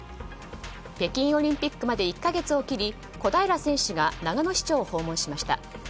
北京オリンピックまで１か月を切り小平選手が長野市長を訪問しました。